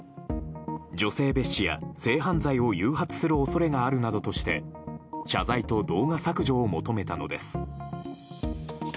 女性蔑視や性犯罪を誘発する恐れがあるなどとして謝罪と動画削除を求めたのです。